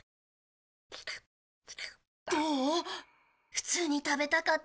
普通に食べたかったわ。